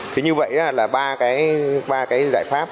thì như vậy là ba cái giải pháp